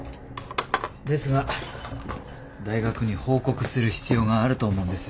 ですが大学に報告する必要があると思うんです。